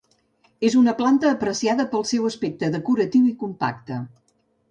És una planta apreciada pel seu aspecte decoratiu i compacte.